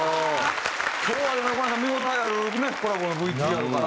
今日はね横山さん見応えあるコラボのＶＴＲから。